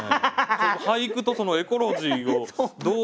俳句とそのエコロジーをどう。